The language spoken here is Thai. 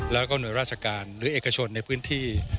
แล้วก็หน่วยราชการหรือเอกชนในพื้นที่